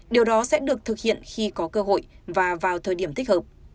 điều đó sẽ được thực hiện khi có cơ hội và vào thời điểm thích hợp